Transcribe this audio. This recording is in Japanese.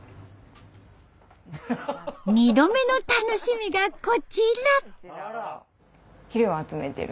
「２度目の楽しみ」がこちら！